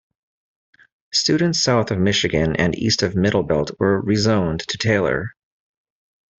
Students south of Michigan and east of Middlebelt were rezoned to Taylor.